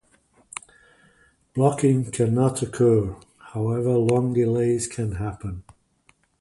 Blocking can not occur, however, long delays can happen.